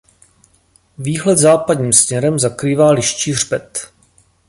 Výhled západním směrem zakrývá Liščí hřbet.